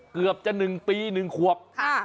เกือบจะ๑ปี๑ขวบ